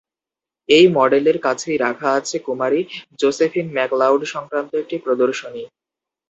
এই মডেলের কাছেই রাখা আছে কুমারী জোসেফিন ম্যাকলাউড-সংক্রান্ত একটি প্রদর্শনী।